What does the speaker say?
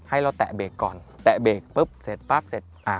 ให้เราแตะเบรกก่อนแตะเบรกปุ๊บเสร็จปั๊บเสร็จอ่า